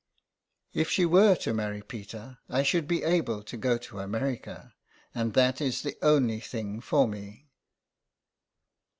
"" If she were to marry Peter I should be able to go to America, and that is the only thing for me."